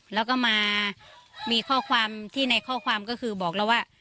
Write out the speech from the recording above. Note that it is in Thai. แล้วก็มามีข้อความที่ในข้อความก็คือบอกเราว่า